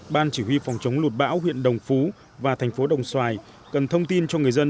ban chủ y phòng chống lụt bão huyện đồng phú và tp đồng xoài cần thông tin cho người dân